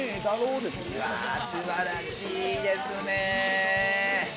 素晴らしいですね。